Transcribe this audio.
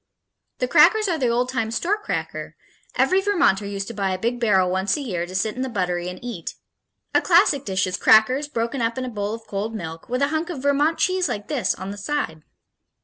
The crackers are the old time store cracker every Vermonter used to buy a big barrel once a year to set in the buttery and eat. A classic dish is crackers, broken up in a bowl of cold milk, with a hunk of Vermont cheese like this on the side.